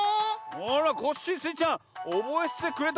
あらコッシースイちゃんおぼえててくれたんけ。